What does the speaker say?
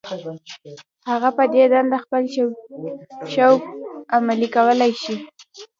هغه په دې دنده خپل شوق عملي کولای شو.